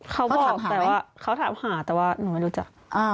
เขาบอกแต่ว่าเขาถามหาแต่ว่าหนูไม่รู้จัก